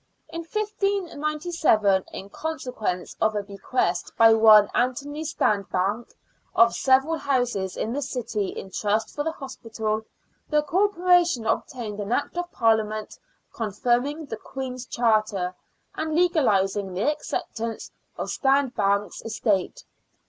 In 1597, in consequence of a bequest by one Anthony Standbanck, of several houses in the city in trust for the hospital, the Corporation obtained an Act of Parliament confirming the Queen's charter, and legalising the acceptance of Standbanck's estate.